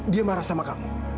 dia marah sama kamu